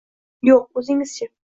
— Yo’q. O’zingiz-chi?